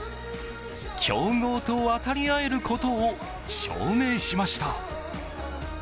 強豪と渡り合えることを証明しました。